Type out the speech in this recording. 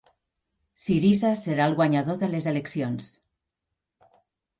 Syriza serà el guanyador de les eleccions